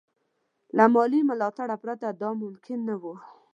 له مالي ملاتړه پرته دا ممکن نه وو.